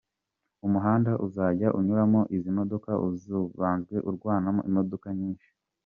Umuhanda uzajya unyuramo izi modoka ubusanzwe urangwamo imodoka nyinshi.